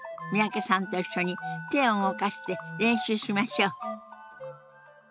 三宅さんと一緒に手を動かして練習しましょう。